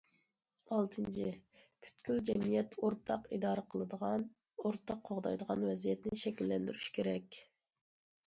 ئالتىنچى، پۈتكۈل جەمئىيەت ئورتاق ئىدارە قىلىدىغان، ئورتاق قوغدايدىغان ۋەزىيەتنى شەكىللەندۈرۈش كېرەك.